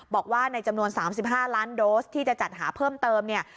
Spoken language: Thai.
บอกว่าในจำนวน๓๕ล้านโดสที่จะจัดหาเพิ่มเติมเนี่ย